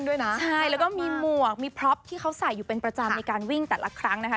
ด้วยนะใช่แล้วก็มีหมวกมีพร็อปที่เขาใส่อยู่เป็นประจำในการวิ่งแต่ละครั้งนะคะ